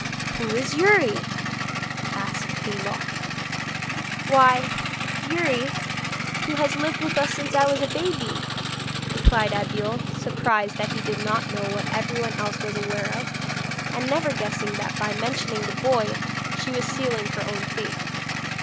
'Who is Youri?' asked King Loc. 'Why Youri who has lived with us since I was a baby,' replied Abeille; surprised that he did not know what everyone else was aware of, and never guessing that by mentioning the boy she was sealing her own fate.